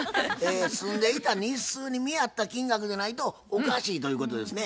住んでいた日数に見合った金額でないとおかしいということですね。